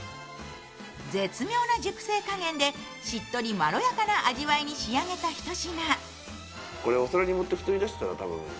絶妙な熟成加減でしっとりまろやかな味わいに仕上げた一品。